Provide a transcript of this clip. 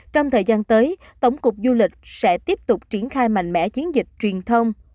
trong thời gian tới tổng cục du lịch sẽ tiếp tục triển khai mạnh mẽ chiến dịch truyền thông